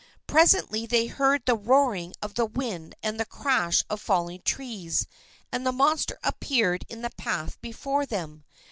Presently they heard the roaring of the wind and the crash of falling trees, and the monster appeared in the path before them.